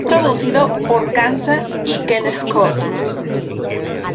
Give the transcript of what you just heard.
Fue producido por Kansas y Ken Scott.